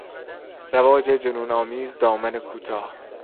رواج جنون آمیز دامن کوتاه